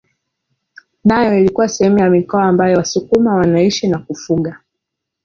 Nayo ilikuwa sehemu ya mikoa ambayo wasukuma wanaishi na kufuga